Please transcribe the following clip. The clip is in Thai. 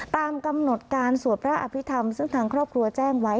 ตามกำหนดการสวดพระอภิษฐรรมซึ่งทางครอบครัวแจ้งไว้